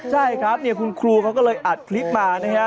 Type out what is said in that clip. ใช่ครับคุณครูเขาก็เลยอัดคลิปมานะฮะ